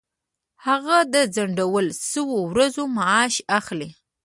هغه د ځنډول شوو ورځو معاش اخلي.